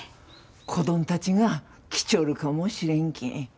子どんたちが来ちょるかもしれんけん。